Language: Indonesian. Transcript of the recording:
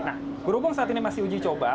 nah berhubung saat ini masih uji coba